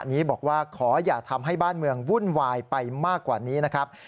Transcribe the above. ที่จะทำให้บ้านเมืองวุ่นวายไปมากกว่านี้นะครับ